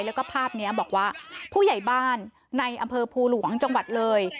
แล้วก็ภาพนี้บอกว่าผู้ใหญ่บ้านในอำเภอภูหลวงจังหวัดเลย